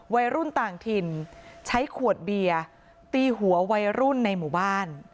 วัยรุ่นต่างถิ่นใช้ขวดเบียร์ตีหัววัยรุ่นในหมู่บ้าน